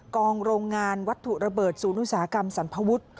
กองโรงงานวัตถุระเบิดสูตรนุสากรรมสันพวุทธ์